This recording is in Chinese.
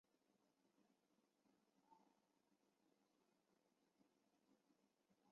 旧长型大厦或长型大厦是香港公共屋邨大厦的一种。